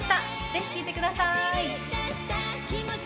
ぜひ聴いてください。